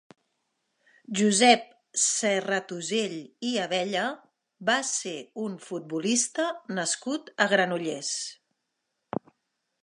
Josep Serratusell i Abella va ser un futbolista nascut a Granollers.